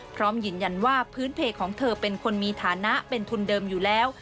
พร้อมยืนยันว่าพื้นเพจของเธอเป็นคนมีฐานะเป็นทุนเดิมอยู่แล้ว